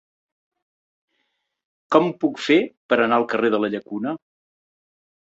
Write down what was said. Com ho puc fer per anar al carrer de la Llacuna?